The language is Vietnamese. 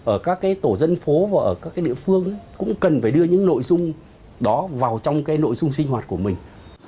ở các cái tổ dân phố và ở các cái địa phương cũng cần phải đưa những nội dung đó vào trong cái nội dung sinh hoạt của mình